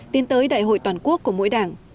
tiến tới đại hội toàn quốc của mỗi đảng